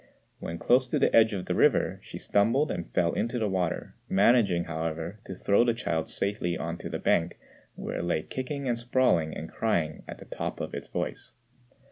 When close to the edge of the river, she stumbled and fell into the water, managing, however, to throw the child safely on to the bank, where it lay kicking and sprawling and crying at the top of its voice.